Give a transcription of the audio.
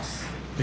え？